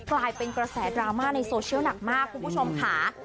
กลายเป็นกระแสดราม่าในโซเชียลหนักมากคุณผู้ชมค่ะ